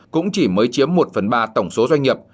cũng chỉ mới chiếm một phần ba tổng số doanh nghiệp